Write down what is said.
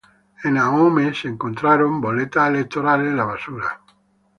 En ahome fueron encontradas boletas electorales en la basura.